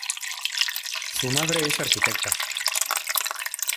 Su madre es arquitecta.